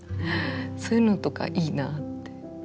そういうのとかいいなって思いますね。